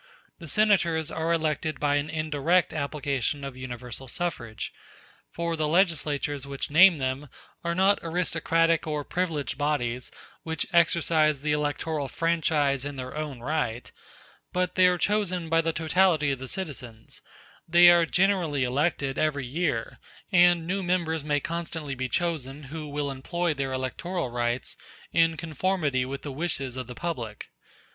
The senators are elected by an indirect application of universal suffrage; for the legislatures which name them are not aristocratic or privileged bodies which exercise the electoral franchise in their own right; but they are chosen by the totality of the citizens; they are generally elected every year, and new members may constantly be chosen who will employ their electoral rights in conformity with the wishes of the public.